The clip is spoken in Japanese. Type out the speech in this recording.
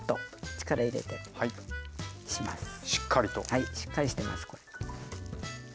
はいしっかりしてますこれ。